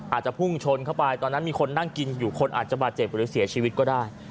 อาจจะพุ่งชนเข้าไปตอนนั้นมีคนนั่งกินอยู่คนอาจจะบาดเจ็บหรือเสียชีวิตก็ได้